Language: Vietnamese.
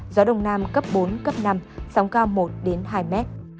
gió đông nam cấp bốn cấp năm sóng cao một hai m